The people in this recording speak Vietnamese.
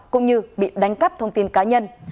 cũng như bị đánh cắp thông tin cá nhân